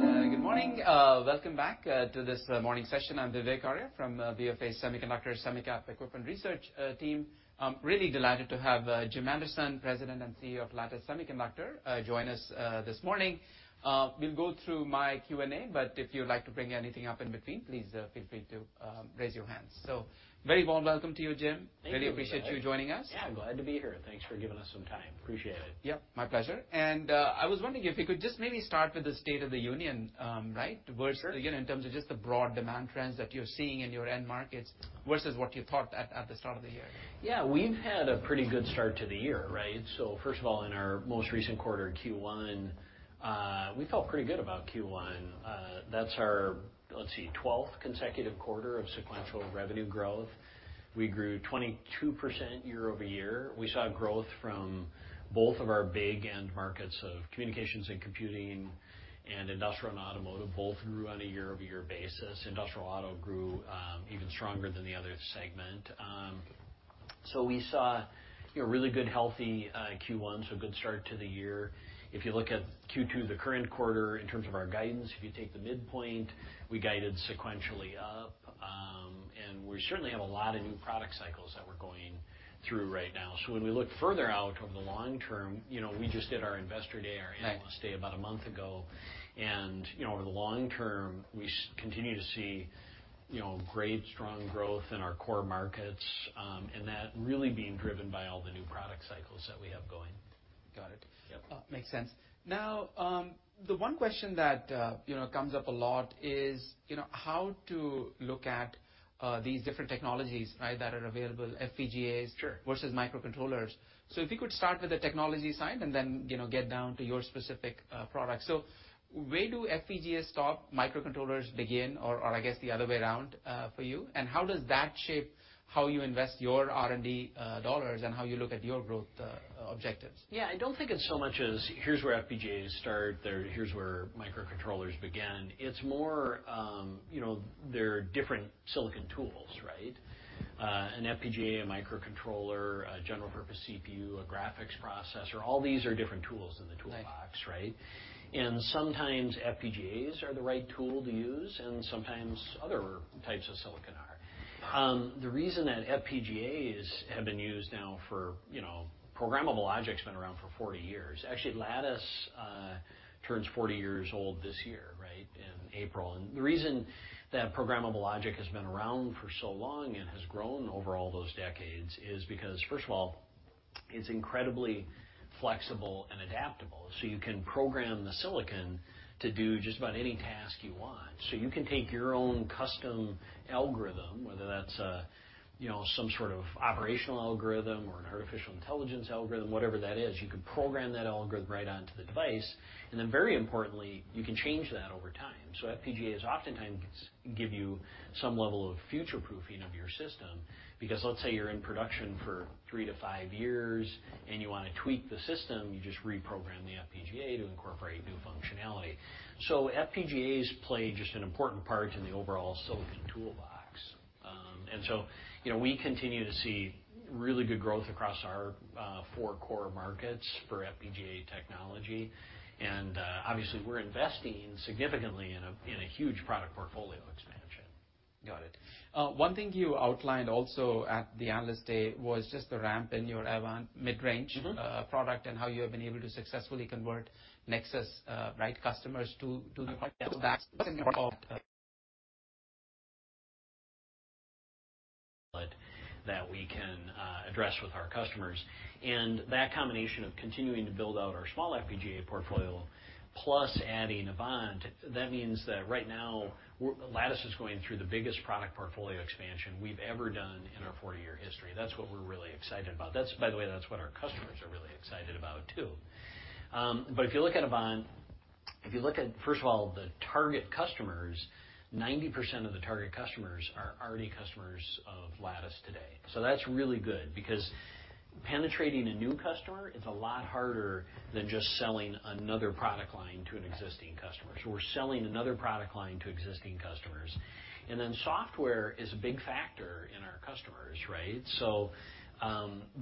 Good morning. Welcome back to this morning session. I'm Vivek Arya from BofA Semiconductor Semicap Equipment Research Team. I'm really delighted to have Jim Anderson, President and CEO of Lattice Semiconductor, join us this morning. We'll go through my Q&A, but if you'd like to bring anything up in between, please feel free to raise your hands. Very warm welcome to you, Jim. Thank you, Vivek. Really appreciate you joining us. I'm glad to be here. Thanks for giving us some time. Appreciate it. Yep, my pleasure. I was wondering if you could just maybe start with the state of the union, right? Sure. Again, in terms of just the broad demand trends that you're seeing in your end markets versus what you thought at the start of the year? We've had a pretty good start to the year, right? First of all, in our most recent quarter, Q1, we felt pretty good about Q1. That's our, let's see, 12th consecutive quarter of sequential revenue growth. We grew 22% year-over-year. We saw growth from both of our big end markets of communications and computing, and industrial and automotive, both grew on a year-over-year basis. Industrial auto grew even stronger than the other segment. So we saw, you know, really good, healthy Q1, so good start to the year. If you look at Q2, the current quarter, in terms of our guidance, if you take the midpoint, we guided sequentially up, and we certainly have a lot of new product cycles that we're going through right now. When we look further out over the long term, you know, we just did our Investor Day, our Analyst Day. Right. About a month ago, you know, over the long term, we continue to see, you know, great strong growth in our core markets, and that really being driven by all the new product cycles that we have going. Got it. Yep. Makes sense. Now, the one question that, you know, comes up a lot is, you know, how to look at, these different technologies, right, that are available, FPGAs-. Sure. -versus microcontrollers. If you could start with the technology side and then, you know, get down to your specific products. Where do FPGAs stop, microcontrollers begin, or I guess, the other way around, for you? How does that shape how you invest your R&D dollars and how you look at your growth objectives? I don't think it's so much as, here's where FPGAs start, or here's where microcontrollers begin. It's more, you know, there are different silicon tools, right? an FPGA, a microcontroller, a general purpose CPU, a graphics processor, all these are different tools in the toolbox. Right. Right? Sometimes FPGAs are the right tool to use, and sometimes other types of silicon are. The reason that FPGAs have been used now for, you know, programmable logic's been around for 40 years. Actually, Lattice turns 40 years old this year, right, in April. The reason that programmable logic has been around for so long and has grown over all those decades is because, first of all, it's incredibly flexible and adaptable, so you can program the silicon to do just about any task you want. You can take your own custom algorithm, whether that's, you know, some sort of operational algorithm or an artificial intelligence algorithm, whatever that is, you can program that algorithm right onto the device, and then, very importantly, you can change that over time. FPGAs oftentimes give you some level of future-proofing of your system, because let's say, you're in production for three to five years, and you want to tweak the system, you just reprogram the FPGA to incorporate new functionality. FPGAs play just an important part in the overall silicon toolbox. You know, we continue to see really good growth across our four core markets for FPGA technology, and obviously, we're investing significantly in a huge product portfolio expansion. Got it. One thing you outlined also at the Analyst Day was just the ramp in your Avant mid-range. Mm-hmm. product and how you have been able to successfully convert Nexus, right, customers to the product. What's the impact of... That we can address with our customers. That combination of continuing to build out our small FPGA portfolio, plus adding Avant, that means that right now, Lattice is going through the biggest product portfolio expansion we've ever done in our 40-year history. That's what we're really excited about. That's, by the way, that's what our customers are really excited about, too. If you look at Avant, if you look at, first of all, the target customers, 90% of the target customers are already customers of Lattice today. That's really good because penetrating a new customer is a lot harder than just selling another product line to an existing customer. Right. We're selling another product line to existing customers. Software is a big factor in our customers, right?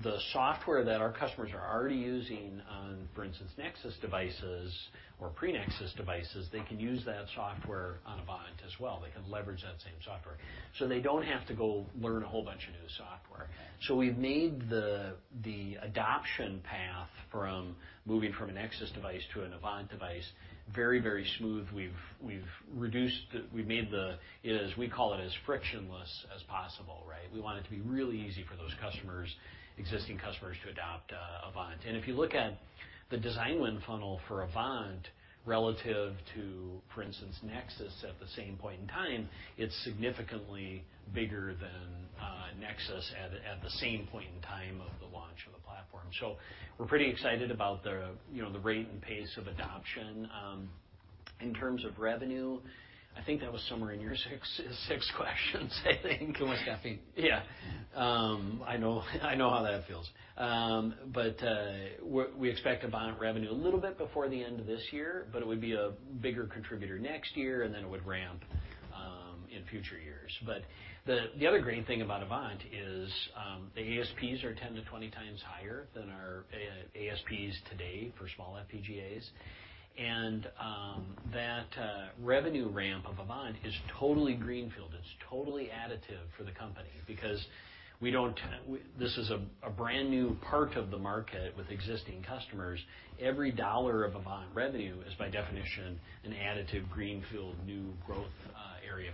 The software that our customers are already using on, for instance, Nexus devices or pre-Nexus devices, they can use that software on Avant as well. They can leverage that same software, so they don't have to go learn a whole bunch of new software. Right. We've made the adoption path from moving from a Nexus device to an Avant device very, very smooth. We've made the, as we call it, as frictionless as possible, right? We want it to be really easy for those customers, existing customers to adopt Avant. If you look at the design win funnel for Avant, relative to, for instance, Nexus at the same point in time, it's significantly bigger than Nexus at the same point in time of the launch of the platform. We're pretty excited about the, you know, the rate and pace of adoption. In terms of revenue, I think that was somewhere in your six questions, I think. Too much caffeine. Yeah. I know how that feels. We expect Avant revenue a little bit before the end of this year, but it would be a bigger contributor next year, and then it would ramp in future years. The other great thing about Avant is the ASPs are 10-20 times higher than our ASPs today for small FPGAs. That revenue ramp of Avant is totally greenfield. It's totally additive for the company because we, this is a brand-new part of the market with existing customers. Every $1 of Avant revenue is, by definition, an additive, greenfield, new growth area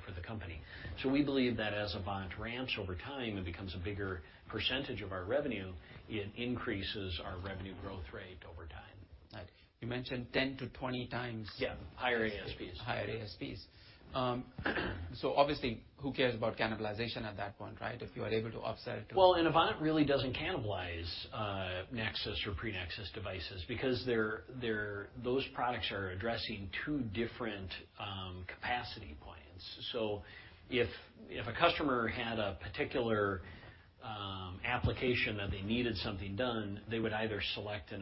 for the company. We believe that as Avant ramps over time, it becomes a bigger percentage of our revenue, it increases our revenue growth rate over time. Right. You mentioned 10-20 times- Yeah, higher ASPs. Higher ASPs. Obviously, who cares about cannibalization at that point, right? If you are able to offset it. Avant really doesn't cannibalize Nexus or pre-Nexus devices because those products are addressing two different capacity points. If a customer had a particular application that they needed something done, they would either select.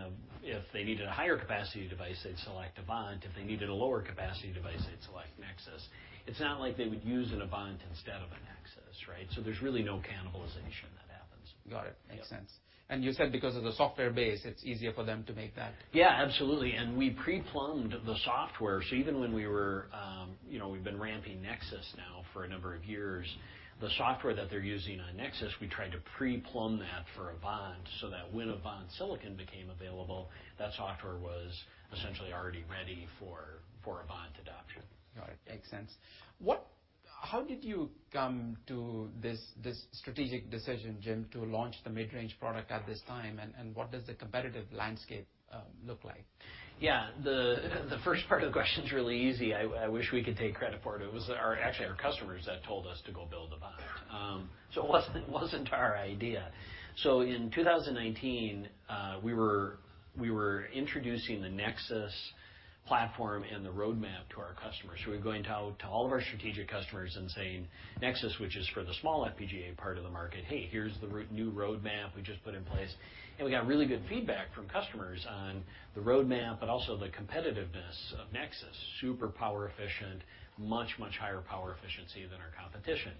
If they needed a higher capacity device, they'd select Avant. If they needed a lower capacity device, they'd select Nexus. It's not like they would use an Avant instead of a Nexus, right? There's really no cannibalization that happens. Got it. Yeah. Makes sense. You said because of the software base, it's easier for them to make that? Yeah, absolutely. We pre-plumbed the software, so even when we were, you know, we've been ramping Nexus now for a number of years. The software that they're using on Nexus, we tried to pre-plumb that for Avant so that when Avant Silicon became available, that software was essentially already ready for Avant adoption. Got it. Makes sense. How did you come to this strategic decision, Jim, to launch the mid-range product at this time, and what does the competitive landscape look like? Yeah. The first part of the question's really easy. I wish we could take credit for it. It was actually our customers that told us to go build Avant. It wasn't our idea. In 2019, we were introducing the Nexus platform and the roadmap to our customers, so we were going out to all of our strategic customers and saying, "Nexus, which is for the small FPGA part of the market, hey, here's the new roadmap we just put in place." We got really good feedback from customers on the roadmap, but also the competitiveness of Nexus. Super power efficient, much higher power efficiency than our competition.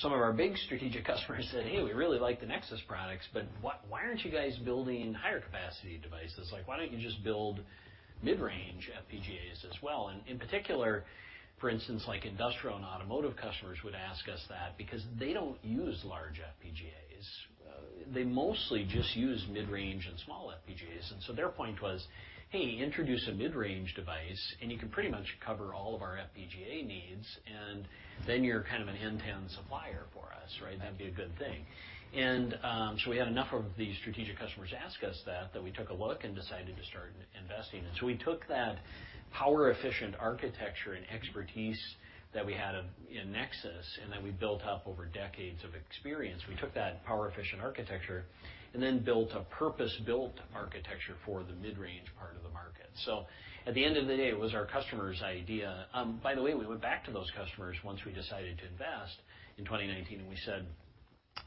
Some of our big strategic customers said, "Hey, we really like the Nexus products, but why aren't you guys building higher capacity devices? Like, why don't you just build mid-range FPGAs as well?" In particular, for instance, like industrial and automotive customers would ask us that because they don't use large FPGAs. They mostly just use mid-range and small FPGAs. Their point was, "Hey, introduce a mid-range device, and you can pretty much cover all of our FPGA needs, and then you're kind of an end-to-end supplier for us," right? Right. That'd be a good thing." We had enough of these strategic customers ask us that we took a look and decided to start investing. We took that power-efficient architecture and expertise that we had in Nexus and that we built up over decades of experience, we took that power-efficient architecture and then built a purpose-built architecture for the mid-range part of the market. At the end of the day, it was our customer's idea. By the way, we went back to those customers once we decided to invest in 2019, and we said,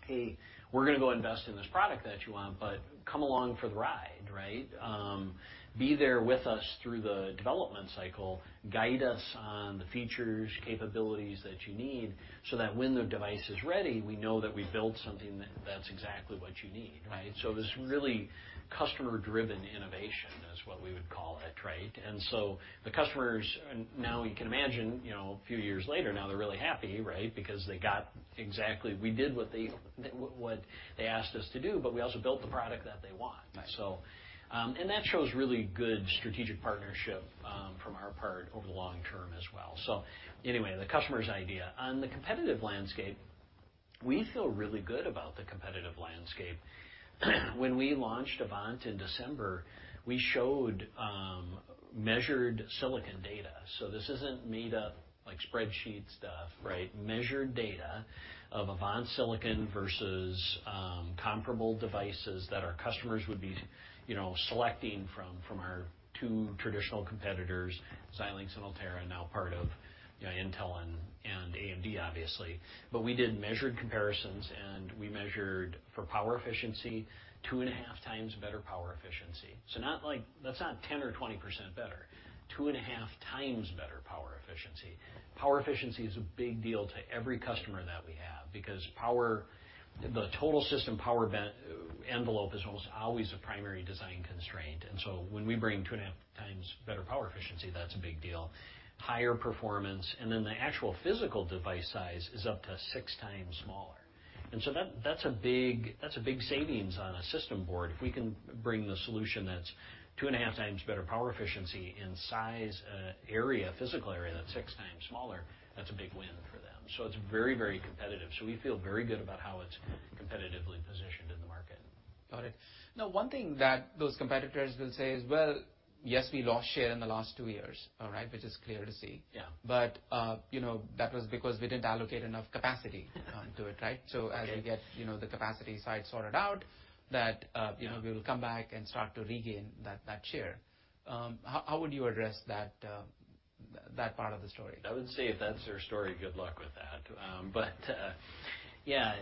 "Hey, we're gonna go invest in this product that you want, but come along for the ride, right? Be there with us through the development cycle, guide us on the features, capabilities that you need so that when the device is ready, we know that we built something that's exactly what you need, right? Right. This really customer-driven innovation is what we would call it, right? The customers, and now you can imagine, you know, a few years later, now they're really happy, right? Because they got exactly. We did what they asked us to do, but we also built the product that they want. Right. That shows really good strategic partnership from our part over the long term as well. Anyway, the customer's idea. On the competitive landscape, we feel really good about the competitive landscape. When we launched Avant in December, we showed measured silicon data. This isn't made-up, like, spreadsheet stuff, right? Right. Measured data of Avant Silicon versus, comparable devices that our customers would be, you know, selecting from our two traditional competitors, Xilinx and Altera, now part of, you know, Intel and AMD, obviously. We did measured comparisons, and we measured for power efficiency, 2.5 times better power efficiency. Not like... That's not 10% or 20% better, 2.5 times better power efficiency. Power efficiency is a big deal to every customer that we have because power, the total system power envelope, is almost always a primary design constraint, when we bring 2.5 times better power efficiency, that's a big deal. Higher performance, the actual physical device size is up to six times smaller, that's a big, that's a big savings on a system board. If we can bring the solution that's 2.5 times better power efficiency in size, area, physical area, that's six times smaller, that's a big win for them. It's very, very competitive. We feel very good about how it's competitively positioned in the market. Got it. Now, one thing that those competitors will say is, "Well, yes, we lost share in the last two years," all right? Which is clear to see. Yeah. You know, that was because we didn't allocate enough capacity to it, right? Right. As we get, you know, the capacity side sorted out, that. Yeah "We will come back and start to regain that share." How would you address that part of the story? I would say, if that's their story, good luck with that. Yeah.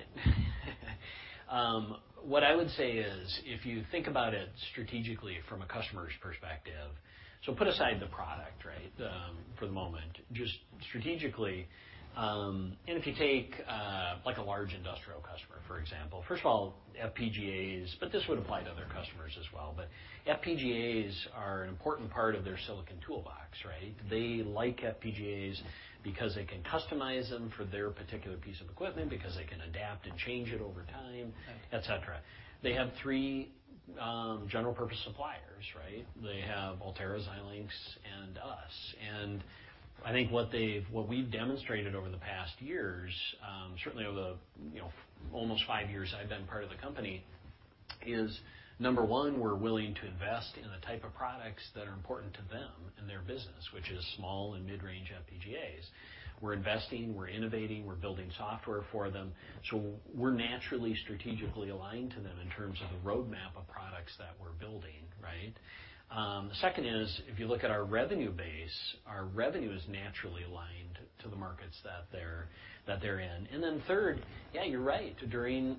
What I would say is, if you think about it strategically from a customer's perspective. Put aside the product, right, for the moment, just strategically, and if you take, like, a large industrial customer, for example, first of all, FPGAs, but this would apply to other customers as well, but FPGAs are an important part of their silicon toolbox, right? They like FPGAs because they can customize them for their particular piece of equipment, because they can adapt and change it over time, et cetera. They have three general purpose suppliers, right? They have Altera, Xilinx, and us. I think what we've demonstrated over the past years, certainly over the, you know, almost five years I've been part of the company, is, number one, we're willing to invest in the type of products that are important to them and their business, which is small and mid-range FPGAs. We're investing, we're innovating, we're building software for them, so we're naturally strategically aligned to them in terms of the roadmap of products that we're building, right? The second is, if you look at our revenue base, our revenue is naturally aligned to the markets that they're in. Third, yeah, you're right.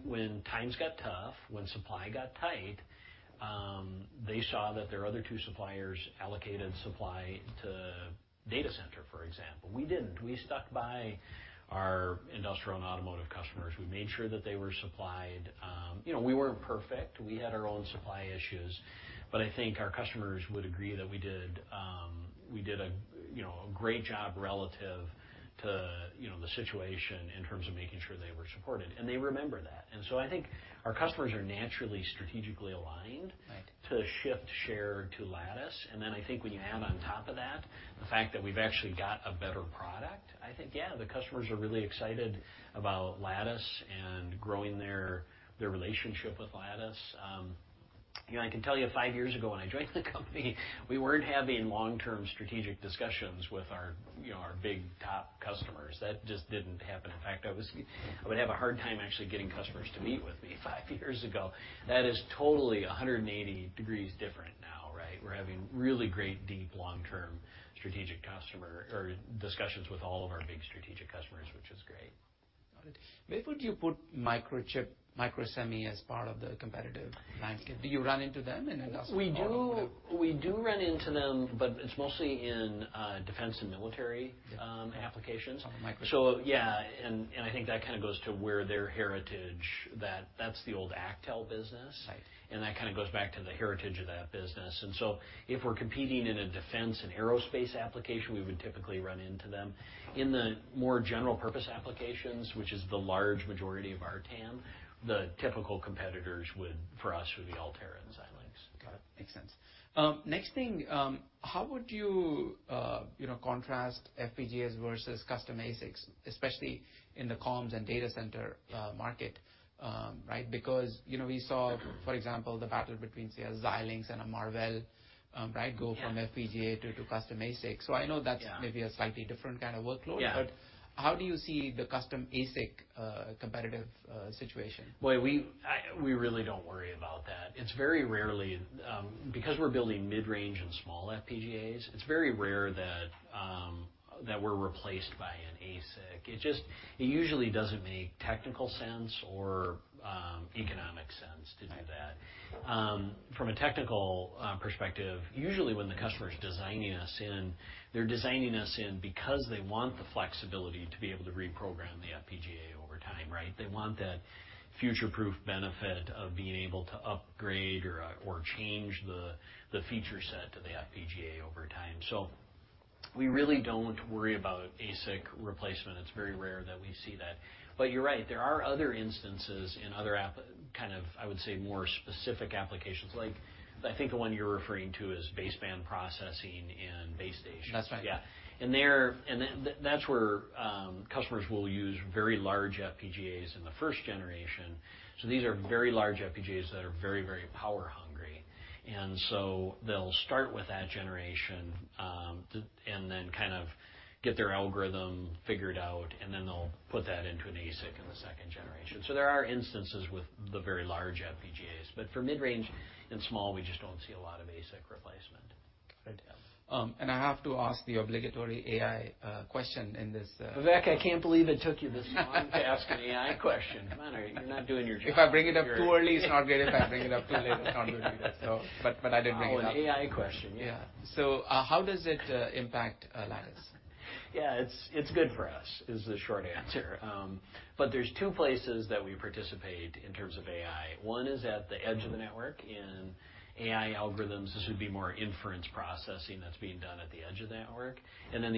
When times got tough, when supply got tight, they saw that their other two suppliers allocated supply to data center, for example. We didn't. We stuck by our industrial and automotive customers. We made sure that they were supplied. You know, we weren't perfect. We had our own supply issues, but I think our customers would agree that we did, we did a, you know, a great job relative to, you know, the situation in terms of making sure they were supported, and they remember that. I think our customers are naturally strategically aligned... Right. to shift share to Lattice. I think when you add on top of that, the fact that we've actually got a better product, I think, yeah, the customers are really excited about Lattice and growing their relationship with Lattice. You know, I can tell you, five years ago, when I joined the company, we weren't having long-term strategic discussions with our, you know, our big top customers. That just didn't happen. In fact, I would have a hard time actually getting customers to meet with me five years ago. That is totally 180 degrees different now, right? We're having really great, deep, long-term strategic customer or discussions with all of our big strategic customers, which is great. Where would you put Microchip, Microsemi as part of the competitive landscape? Do you run into them in an industrial- We do run into them, but it's mostly in defense and military applications. Micro- Yeah, and I think that kind of goes to where their heritage, that's the old Actel business. Right. That kind of goes back to the heritage of that business. If we're competing in a defense and aerospace application, we would typically run into them. In the more general purpose applications, which is the large majority of our TAM, the typical competitors would, for us, would be Altera and Xilinx. Got it. Makes sense. next thing, how would you know, contrast FPGAs versus custom ASICs, especially in the comms and data center, market? right, because, you know, we saw, for example, the battle between, say, a Xilinx and a Marvell, right... Yeah. go from FPGA to custom ASIC. Yeah. I know that's maybe a slightly different kind of workload. Yeah. How do you see the custom ASIC competitive situation? Well, we really don't worry about that. It's very rarely, because we're building mid-range and small FPGAs, it's very rare that we're replaced by an ASIC. It usually doesn't make technical sense or economic sense to do that. Right. From a technical perspective, usually when the customer is designing us in, they're designing us in because they want the flexibility to be able to reprogram the FPGA over time, right? They want that future-proof benefit of being able to upgrade or change the feature set to the FPGA over time. We really don't worry about ASIC replacement. It's very rare that we see that. You're right, there are other instances in other app, I would say, more specific applications. Like, I think the one you're referring to is baseband processing and base stations. That's right. Yeah. There, and then, that's where, customers will use very large FPGAs in the first generation. These are very large FPGAs that are very, very power hungry. They'll start with that generation, and then kind of get their algorithm figured out, and then they'll put that into an ASIC in the second generation. There are instances with the very large FPGAs, but for mid-range and small, we just don't see a lot of ASIC replacement. Got it. I have to ask the obligatory AI question in this. Vivek, I can't believe it took you this long to ask an AI question. Come on, you're not doing your job. If I bring it up too early, it's not great. If I bring it up too late, it's not good either. I did bring it up. Oh, an AI question, yeah. How does it impact Lattice? Yeah, it's good for us, is the short answer. There's two places that we participate in terms of AI. One is at the edge of the network in AI algorithms. This would be more inference processing that's being done at the edge of the network.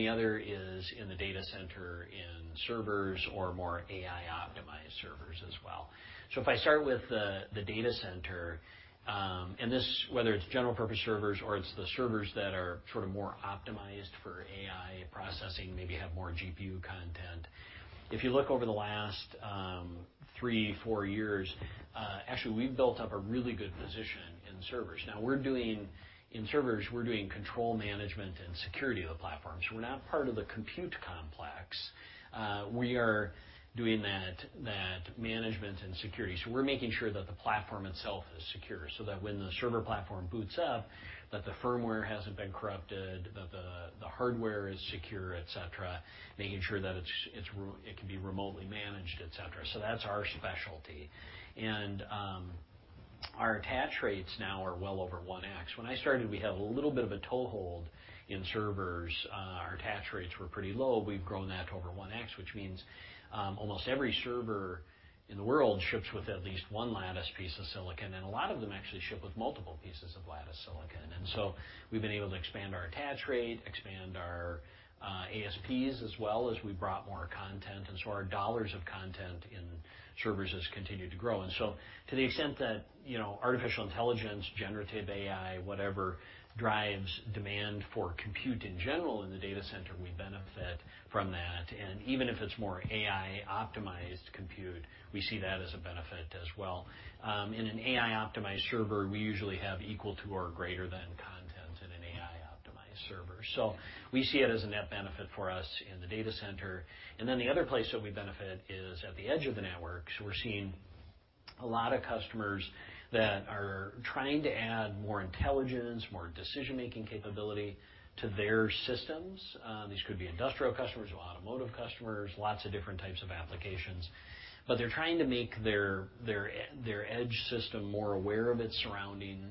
The other is in the data center, in servers or more AI-optimized servers as well. If I start with the data center, and this, whether it's general purpose servers or it's the servers that are sort of more optimized for AI processing, maybe have more GPU content, if you look over the last three, four years, actually, we've built up a really good position in servers. In servers, we're doing control, management, and security of the platforms. We're not part of the compute complex. We are doing that management and security. We're making sure that the platform itself is secure so that when the server platform boots up, that the firmware hasn't been corrupted, that the hardware is secure, et cetera, making sure that it can be remotely managed, et cetera. Our attach rates now are well over 1x. When I started, we had a little bit of a toehold in servers. Our attach rates were pretty low. We've grown that to over 1x, which means, almost every server in the world ships with at least one Lattice piece of silicon, and a lot of them actually ship with multiple pieces of Lattice silicon. We've been able to expand our attach rate, expand our ASPs, as well as we brought more content, our dollars of content in servers has continued to grow. To the extent that, you know, artificial intelligence, generative AI, whatever, drives demand for compute in general in the data center, we benefit from that. Even if it's more AI-optimized compute, we see that as a benefit as well. In an AI-optimized server, we usually have equal to or greater than content in an AI-optimized server. We see it as a net benefit for us in the data center. The other place that we benefit is at the edge of the network. We're seeing a lot of customers that are trying to add more intelligence, more decision-making capability to their systems. These could be industrial customers or automotive customers, lots of different types of applications. They're trying to make their edge system more aware of its surrounding,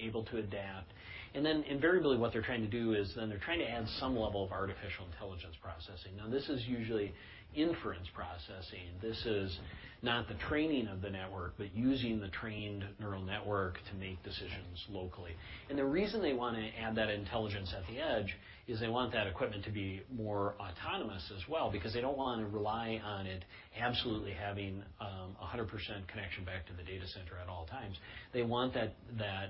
able to adapt. Invariably, what they're trying to do is then they're trying to add some level of artificial intelligence processing. This is usually inference processing. This is not the training of the network, but using the trained neural network to make decisions locally. The reason they want to add that intelligence at the edge is they want that equipment to be more autonomous as well, because they don't want to rely on it absolutely having 100% connection back to the data center at all times. They want that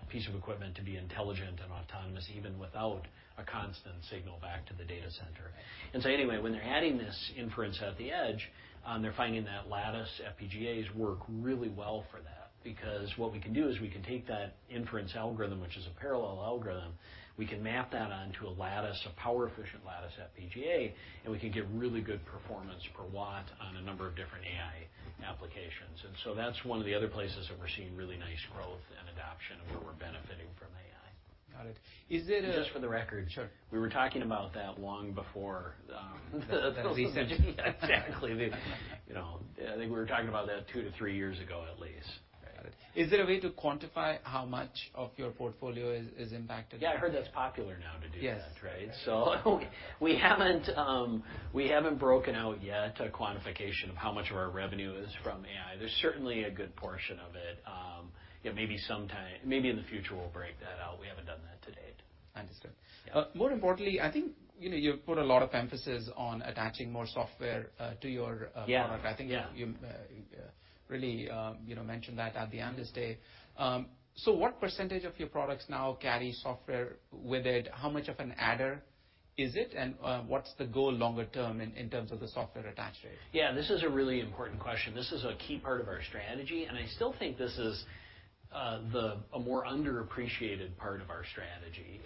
piece of equipment to be intelligent and autonomous, even without a constant signal back to the data center. Anyway, when they're adding this inference at the edge, they're finding that Lattice FPGAs work really well for that, because what we can do is we can take that inference algorithm, which is a parallel algorithm, we can map that onto a Lattice, a power-efficient Lattice FPGA, and we can get really good performance per watt on a number of different AI applications. That's one of the other places that we're seeing really nice growth and adoption, and where we're benefiting from AI. Got it. Is it? Just for the record. Sure. We were talking about that long before. At least- Yeah, exactly. You know, I think we were talking about that two to three years ago at least. Got it. Is there a way to quantify how much of your portfolio is impacted? I heard that's popular now to do that. Yes... right? We haven't, we haven't broken out yet a quantification of how much of our revenue is from AI. There's certainly a good portion of it. Maybe sometime, maybe in the future, we'll break that out. We haven't done that to date. Understood. Yeah. More importantly, I think, you know, you've put a lot of emphasis on attaching more software, to your... Yeah... product. Yeah. I think you, really, you know, mentioned that at the Analyst Day. What percentage of your products now carry software with it? How much of an adder is it, and, what's the goal longer term in terms of the software attach rate? Yeah, this is a really important question. This is a key part of our strategy, and I still think this is a more underappreciated part of our strategy.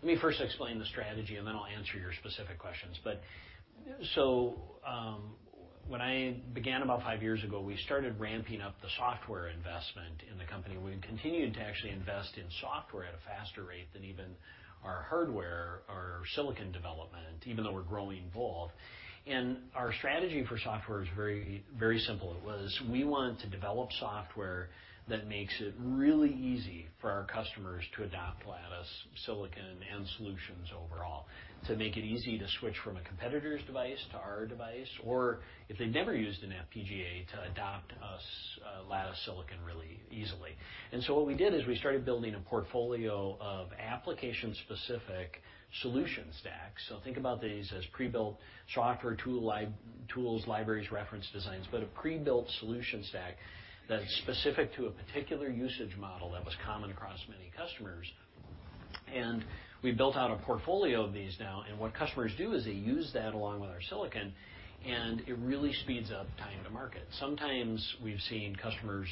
Let me first explain the strategy, and then I'll answer your specific questions. When I began about five years ago, we started ramping up the software investment in the company. We continued to actually invest in software at a faster rate than even our hardware or silicon development, even though we're growing both. Our strategy for software is very, very simple. It was, we wanted to develop software that makes it really easy for our customers to adopt Lattice silicon and solutions overall, to make it easy to switch from a competitor's device to our device, or if they've never used an FPGA, to adopt us, Lattice silicon really easily. What we did is we started building a portfolio of application-specific solution stacks. Think about these as prebuilt software tools, libraries, reference designs, but a prebuilt solution stack that's specific to a particular usage model that was common across many customers. We built out a portfolio of these now, and what customers do is they use that along with our silicon, and it really speeds up time to market. Sometimes we've seen customers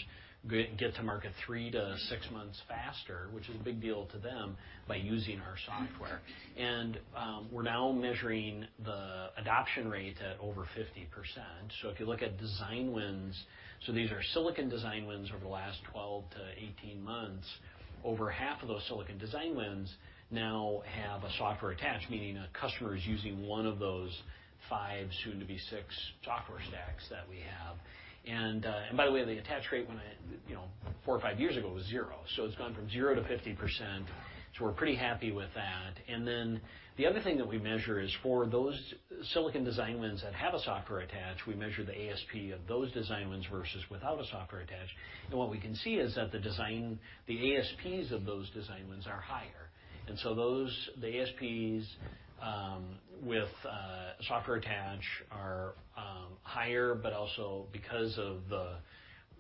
get to market three to six months faster, which is a big deal to them, by using our software. We're now measuring the adoption rate at over 50%. If you look at design wins, these are silicon design wins over the last 12 to 18 months, over half of those silicon design wins now have a software attach, meaning a customer is using one of those five, soon to be six, solution stacks that we have. By the way, the attach rate when I, you know, four or five years ago, was zero. It's gone from zero to 50%, so we're pretty happy with that. The other thing that we measure is for those silicon design wins that have a software attach, we measure the ASP of those design wins versus without a software attach. What we can see is that the ASPs of those design wins are higher. Those, the ASPs, with software attach are higher, but also because of the,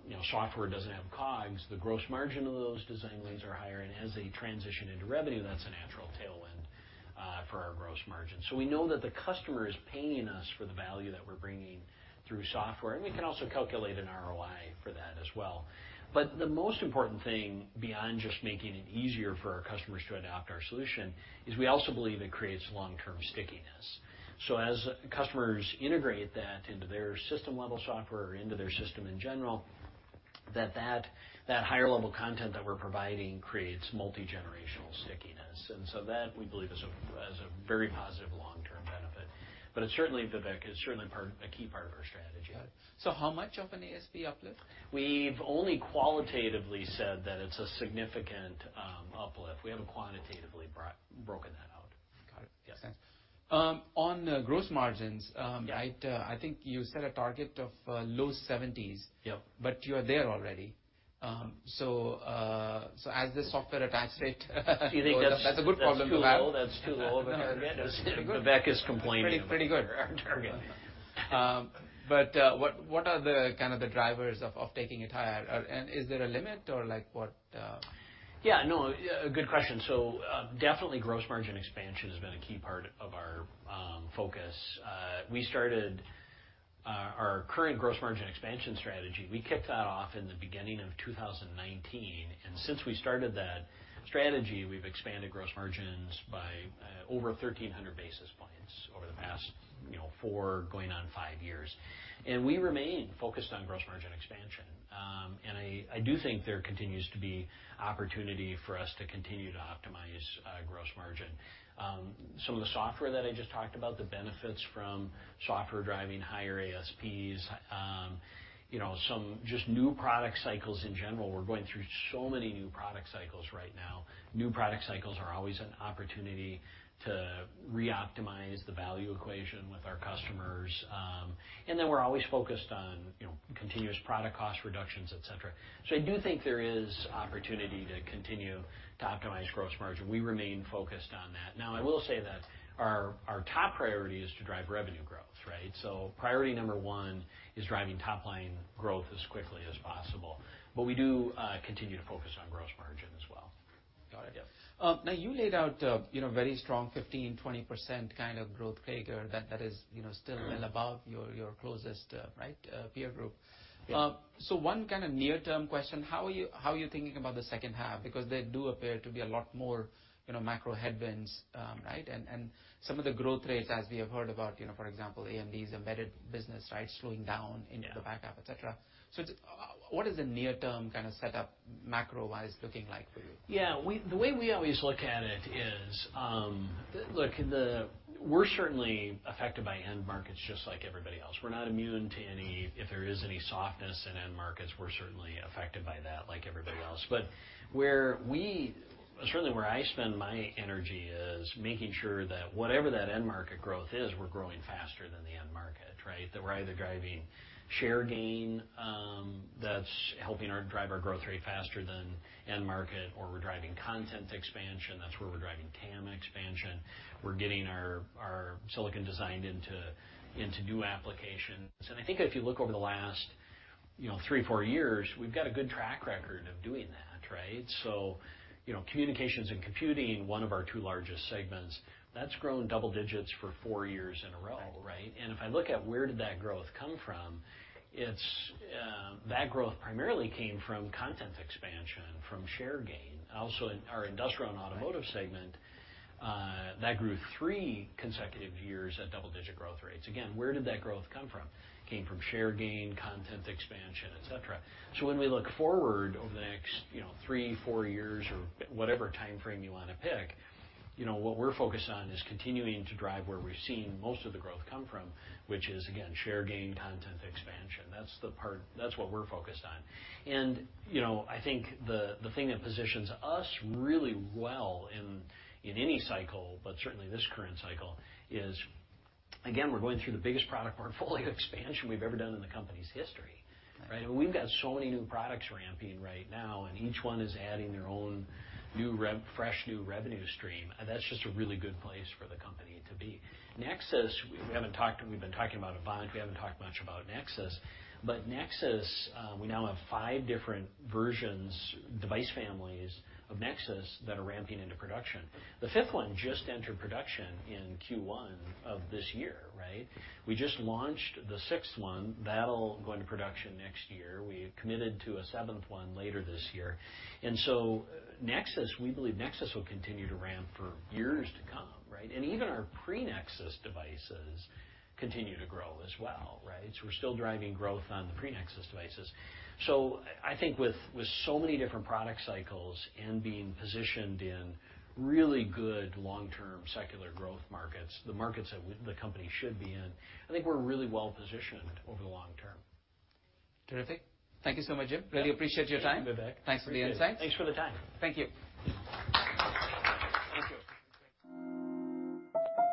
you know, software doesn't have COGS, the gross margin of those design wins are higher, and as they transition into revenue, that's a natural tailwind for our gross margin. We know that the customer is paying us for the value that we're bringing through software, and we can also calculate an ROI for that as well. The most important thing, beyond just making it easier for our customers to adopt our solution, is we also believe it creates long-term stickiness. As customers integrate that into their system-level software or into their system in general. That higher level content that we're providing creates multigenerational stickiness. That, we believe, has a very positive long-term benefit. It's certainly, Vivek, it's certainly part, a key part of our strategy. Got it. How much of an ASP uplift? We've only qualitatively said that it's a significant uplift. We haven't quantitatively broken that out. Got it. Yes. Thanks. on gross margins. Yeah. I think you set a target of, low 70s. Yep. You're there already. So as the software attacks it, Do you think? That's a good problem to have. That's too low? That's too low. No. Vivek is complaining. Pretty, pretty good. What are the kind of the drivers of taking it higher? Is there a limit, or like, what...? Yeah, no, a good question. Definitely gross margin expansion has been a key part of our focus. We started our current gross margin expansion strategy, we kicked that off in the beginning of 2019, and since we started that strategy, we've expanded gross margins by over 1,300 basis points over the past, you know, four, going on five years. We remain focused on gross margin expansion. I do think there continues to be opportunity for us to continue to optimize gross margin. Some of the software that I just talked about, the benefits from software driving higher ASPs, you know, some just new product cycles in general. We're going through so many new product cycles right now. New product cycles are always an opportunity to reoptimize the value equation with our customers. We're always focused on, you know, continuous product cost reductions, et cetera. I do think there is opportunity to continue to optimize gross margin. We remain focused on that. I will say that our top priority is to drive revenue growth, right? Priority number one is driving top-line growth as quickly as possible, but we do continue to focus on gross margin as well. Got it. Yeah. You laid out, very strong, 15%-20% kind of growth CAGR that is still well above... Mm-hmm. your closest, right, peer group. Yeah. One kind of near-term question: How are you thinking about the second half? Because there do appear to be a lot more, you know, macro headwinds, right, and some of the growth rates, as we have heard about, you know, for example, AMD's embedded business, right, slowing down into the backup, et cetera. What is the near-term kind of setup, macro-wise, looking like for you? Yeah, we, the way we always look at it is, We're certainly affected by end markets just like everybody else. We're not immune to any, if there is any softness in end markets, we're certainly affected by that like everybody else. Where we, certainly where I spend my energy, is making sure that whatever that end market growth is, we're growing faster than the end market, right? That we're either driving share gain, that's helping our drive our growth rate faster than end market, or we're driving content expansion. That's where we're driving TAM expansion. We're getting our silicon design into new applications. I think if you look over the last, you know, three, four years, we've got a good track record of doing that, right? You know, communications and computing, one of our two largest segments, that's grown double digits for four years in a row, right? Right. If I look at where did that growth come from, it's, that growth primarily came from content expansion, from share gain. In our industrial and automotive segment, that grew three consecutive years at double-digit growth rates. Again, where did that growth come from? It came from share gain, content expansion, et cetera. When we look forward over the next, you know, three, four years or whatever time frame you want to pick, you know, what we're focused on is continuing to drive where we've seen most of the growth come from, which is, again, share gain, content expansion. That's the part, that's what we're focused on. You know, I think the thing that positions us really well in any cycle, but certainly this current cycle, is, again, we're going through the biggest product portfolio expansion we've ever done in the company's history, right? Right. We've got so many new products ramping right now. Each one is adding their own new fresh, new revenue stream. That's just a really good place for the company to be. Nexus, we haven't talked. We've been talking about Avant. We haven't talked much about Nexus. Nexus, we now have five different versions, device families of Nexus, that are ramping into production. The fifth one just entered production in Q1 of this year, right? We just launched the sixth one. That'll go into production next year. We have committed to a seventh one later this year. Nexus, we believe Nexus will continue to ramp for years to come, right? Even our pre-Nexus devices continue to grow as well, right? We're still driving growth on the pre-Nexus devices. I think with so many different product cycles and being positioned in really good long-term secular growth markets, the markets that the company should be in, I think we're really well positioned over the long term. Terrific. Thank you so much, Jim. Yeah. Really appreciate your time. Vivek. Thanks for the insights. Thanks for the time. Thank you. Thank you.